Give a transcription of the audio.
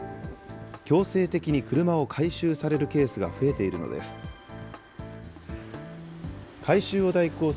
強制的に車を回収されるケースが増えているのです。